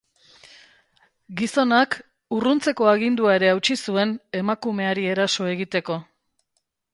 Gizonak urruntzeko agindua ere hautsi zuen emakumeari eraso egiteko.